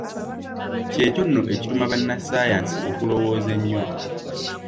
Ky’ekyo nno ekituma bannassaayansi okulowoolereza ennyo.